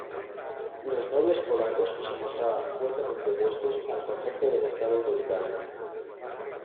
Los nobles polacos se mostraban fuertemente opuestos al concepto del estado autoritario.